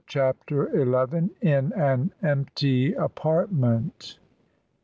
CHAPTER XL IN AN EMPTY APARTMENT.